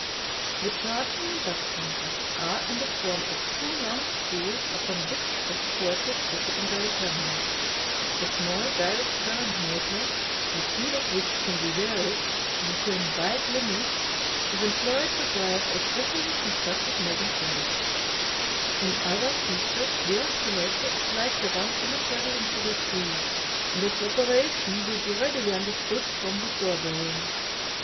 The charging inductances are in the form of two long spools upon which are supported the secondary terminals. A small direct current motor, the speed of which can be varied within wide limits, is employed to drive a specially constructed make and break. In other features the oscillator is like the one illustrated in Fig. 3 and its operation will be readily understood from the foregoing.